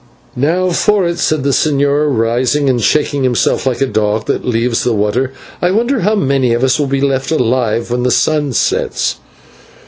"Now for it," said the señor, rising and shaking himself like a dog that leaves the water. "I wonder how many of us will be left alive when this sun sets."